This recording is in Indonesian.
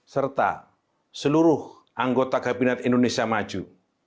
serta seluruh anggota kabinet indonesia maju